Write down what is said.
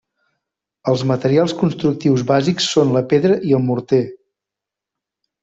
Els materials constructius bàsics són la pedra i el morter.